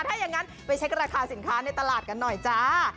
ถ้าอย่างนั้นไปเช็คราคาสินค้าในตลาดกันหน่อยจ้า